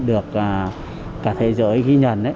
được cả thế giới ghi nhận